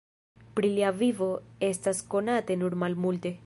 Pri lia vivo estas konate nur malmulte.